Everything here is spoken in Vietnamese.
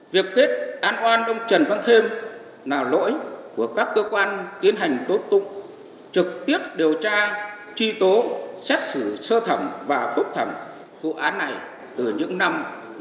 đại diện các cơ quan tiến hành tố tụng thừa nhận đây là lỗi của các cơ quan tiến hành tố tụng trực tiếp điều tra truy tố xét xử sơ thẩm phúc thẩm vụ án từ những năm một nghìn chín trăm bảy mươi